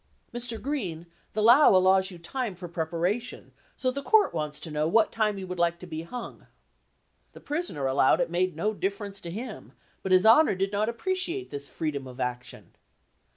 Mr. Green, the law allows j r ou time for preparation, so the Court wants to know what time you would like to be hung." The prisoner "allowed" it made no difference to him, but his Honor did not appreciate this freedom of action.